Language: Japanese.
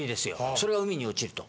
それが海に落ちると。